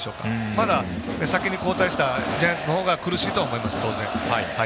まだ先に交代したジャイアンツの方が苦しいとは思います、当然。